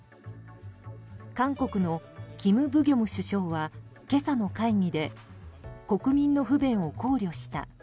韓国のキム・ブギョム首相は今朝の会議で国民の不便を考慮した。